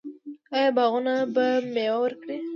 آیا باغونه به میوه ورکړي؟